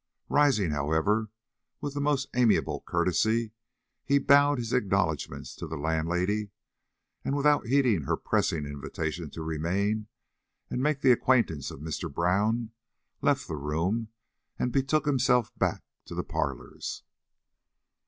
Rising, however, with the most amiable courtesy, he bowed his acknowledgments to the landlady, and, without heeding her pressing invitation to remain and make the acquaintance of Mr. Brown, left the room and betook himself back to the parlors.